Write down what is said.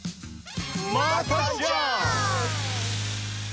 またじゃん！